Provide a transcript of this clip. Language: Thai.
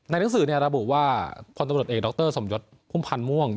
ในหนังสือเนี่ยระบุว่าคนตะบรดเอกดรสมยศพุ่มพันธ์ม่วง